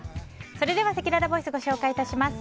それでは、せきららボイスご紹介致します。